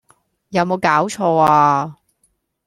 有冇搞錯呀！